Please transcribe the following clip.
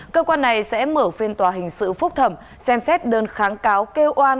cơ quan này sẽ mở phiên tòa hình sự phúc thẩm xem xét đơn kháng cáo kêu oan